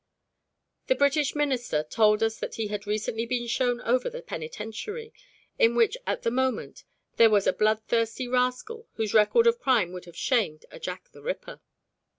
The British Minister told us that he had recently been shown over the Penitentiary, in which at the moment there was a bloodthirsty rascal whose record of crime would have shamed a Jack the Ripper.